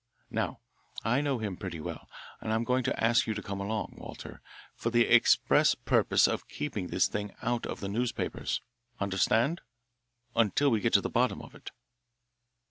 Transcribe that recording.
Now, I know him pretty well, and I'm going to ask you to come along, Walter, for the express purpose of keeping this thing out of the newspapers understand? until we get to the bottom of it."